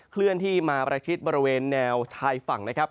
เคลื่อนที่มาประชิดบริเวณแนวชายฝั่งนะครับ